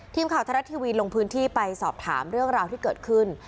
ทีมข่าวทรัฐทีวีลงพื้นที่ไปสอบถามเรื่องราวที่เกิดขึ้น